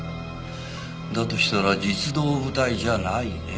だとしたら実働部隊じゃないね。